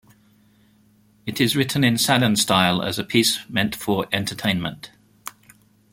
It is written in Salon style as a piece meant for entertainment.